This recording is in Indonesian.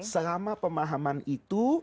selama pemahaman itu